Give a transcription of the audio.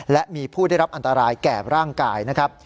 และมีผู้ได้รับอันตรายแก่ร่างกายนะครับ